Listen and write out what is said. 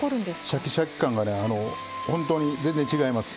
シャキシャキ感が本当に全然、違います。